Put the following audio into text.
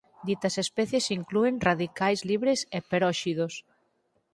Ditas especies inclúen radicais libres e peróxidos.